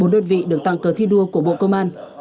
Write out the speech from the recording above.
bốn đơn vị được tặng cờ thí đua của bộ công an